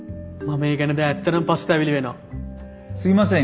すいません